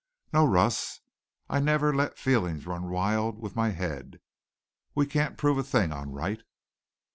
"No, Russ, I never let feeling run wild with my head. We can't prove a thing on Wright."